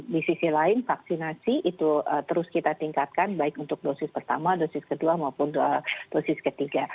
di sisi lain vaksinasi itu terus kita tingkatkan baik untuk dosis pertama dosis kedua maupun dosis ketiga